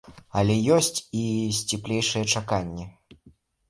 Але ёсць і сціплейшыя чаканні.